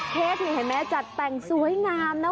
เค้กนี่เห็นไหมจัดแต่งสวยงามนะ